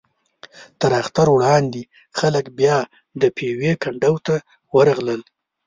تر اختر وړاندې خلک بیا د پېوې کنډو ته ورغلل.